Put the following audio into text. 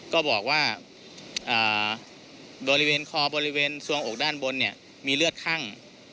ก็บอกว่าบริเวณคอบริเวณสวงอกด้านบนเนี่ยมีเลือดคั่ง